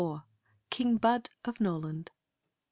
KING BUD OF NOLAND.